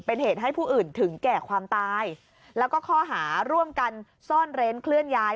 เป็นเหตุให้ผู้อื่นถึงแก่ความตายแล้วก็ข้อหาร่วมกันซ่อนเร้นเคลื่อนย้าย